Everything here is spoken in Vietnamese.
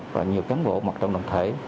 và nhiều cán bộ mặt trận đoàn thể